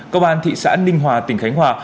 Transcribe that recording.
công an thị xã ninh hòa tỉnh khánh hòa